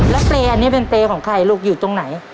แล้วเปรย์อันนี้เป็นเปรย์ของใครลูกอยู่ตรงไหน